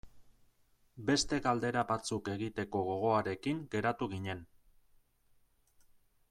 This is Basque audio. Beste galdera batzuk egiteko gogoarekin geratu ginen.